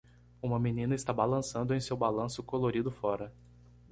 Uma menina está balançando em seu balanço colorido fora.